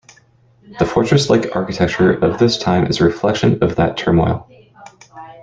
The fortress-like architecture of this time is a reflection of that turmoil.